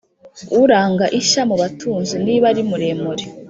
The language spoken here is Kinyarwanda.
Uranga ishya mu batunzi. Niba ari mu murere